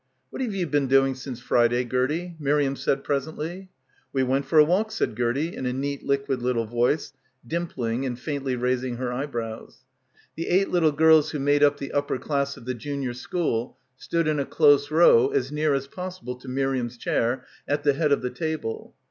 "What have you been doing since Friday, Gertie?" Miriam said pres ently. "We went for a walk," said Gertie in a neat liquid little voice, dimpling and faintly rais ing her eyebrows. ' i ••!'*•{— 115 — y PILGRIMAGE The eight little girls who made up the upper class of the junior school stood in a close row as near as possible to Miriam's chair at the head of the table.